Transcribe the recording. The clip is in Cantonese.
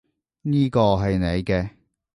呢個係你嘅